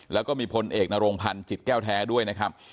แล้วก็มีพลเอกนโรงพันธ์จิตแก้วแท้ด้วยนะครับ